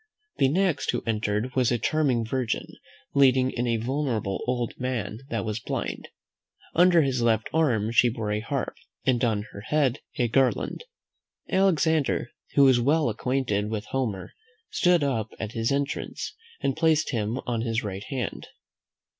The next who entered was a charming virgin, leading in a venerable old man that was blind. Under her left arm she bore a harp, and on her head a garland. Alexander, who was very well acquainted with Homer, stood up at his entrance, and placed him on his right hand.